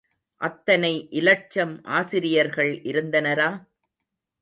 அத்தனை இலட்சம் ஆசிரியர்கள் இருந்தனரா?